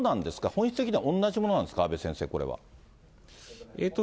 本質的には同じものなんですか、阿部先生、これは。